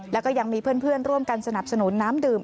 แล้วก็ยังมีเพื่อนร่วมกันสนับสนุนน้ำดื่ม